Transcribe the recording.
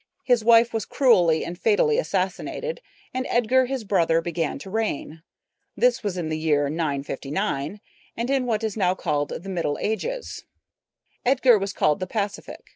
His wife was cruelly and fatally assassinated, and Edgar, his brother, began to reign. This was in the year 959, and in what is now called the Middle Ages. Edgar was called the Pacific.